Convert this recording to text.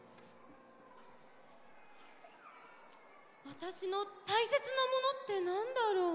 わたしのたいせつなものってなんだろう？